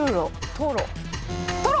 トロ！